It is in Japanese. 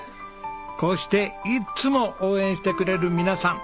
こうしていつも応援してくれる皆さん。